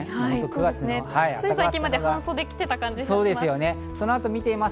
つい最近まで半袖を着ていた感じがします。